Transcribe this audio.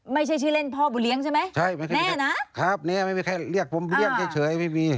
ไม่ใช่ชื่อเล่นพ่อบุเรียงใช่ไหมใช่แม่นะครับเนี้ยไม่มีใครเรียกผมบุเรียงเฉยเฉยไม่มี